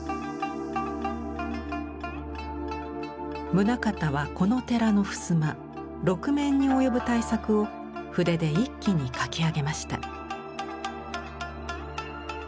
棟方はこの寺の襖６面に及ぶ大作を筆で一気に描き上げました。